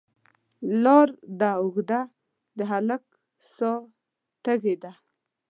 لار ده اوږده، د هلک ساه تږې ده